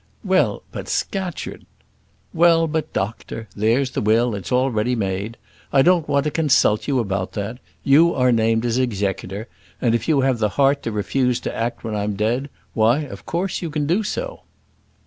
"Well, but, Scatcherd " "Well, but doctor, there's the will, it's already made. I don't want to consult you about that. You are named as executor, and if you have the heart to refuse to act when I'm dead, why, of course, you can do so."